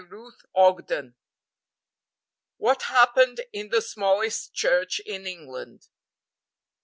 CHAPTER XXI. WHAT HAPPENED IN THE SMALLEST CHURCH IN ENGLAND.